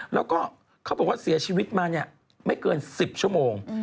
แล้วก็เขาบอกว่าเสียชีวิตมาเนี่ยไม่เกิน๑๐ชั่วโมง